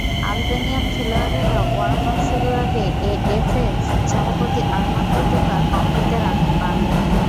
Albanian খেলোয়াড়েরা warm-up শুরুর আগেই AFA সভাপতি আর্মান্দো দুকা কংক্রিটের আঘাত পান।